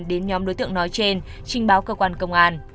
đến nhóm đối tượng nói trên trình báo cơ quan công an